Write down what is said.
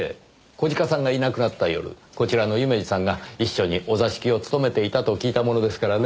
小鹿さんがいなくなった夜こちらの夢路さんが一緒にお座敷を務めていたと聞いたものですからね。